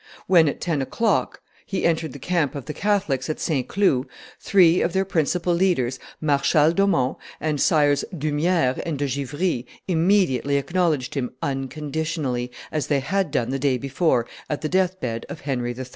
When, at ten o'clock, he entered the camp of the Catholics at St. Cloud, three of their principal leaders, Marshal d'Aumont, and Sires d'Humieres and de Givry, immediately acknowledged him unconditionally, as they had done the day before at the death bed of Henry III.